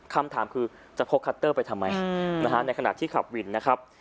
คำถามคือจะพกคัตเตอร์ไปทำไมในขณะที่ขับวินนะครับ